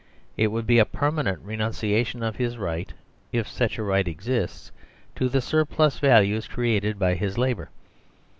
It would be a permanent renunciation of his right (if such a right exists) to the surplus values created by his labour.